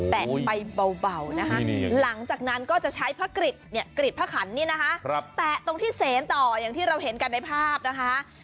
แตะไปเบานะคะหลังจากนั้นก็จะใช้พระกริดพระขันนี่นะคะแตะตรงที่เซนต่ออย่างที่เราเห็นกันในภาพนะคะ